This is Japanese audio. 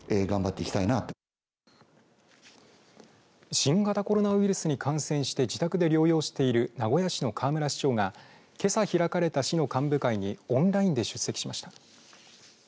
新型コロナウイルスに感染して自宅で療養している名古屋市の河村市長がけさ開かれた市の幹部会にオンラインで出席しました。